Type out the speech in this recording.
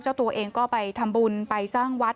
เจ้าตัวเองก็ไปทำบุญไปสร้างวัด